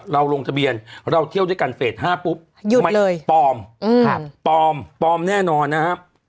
เราลงทะเบียนเราเที่ยวด้วยกันเฟส๕ปุ๊บปลอมปลอมแน่นอนนะฮะ